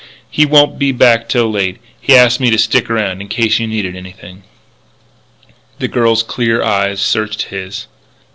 "He won't be back till late. He asked me to stick around in case you needed anything " The girl's clear eyes searched his.